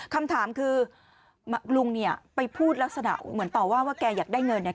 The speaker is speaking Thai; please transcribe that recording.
คำถามคือลุงเนี่ยไปพูดลักษณะเหมือนต่อว่าว่าแกอยากได้เงินเนี่ย